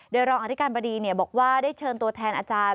โดยรองอธิการบดีบอกว่าได้เชิญตัวแทนอาจารย์